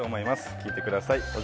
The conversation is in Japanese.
聞いてください。